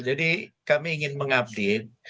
jadi kami ingin mengupdate